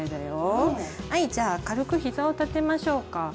はいじゃあ軽くひざを立てましょうか。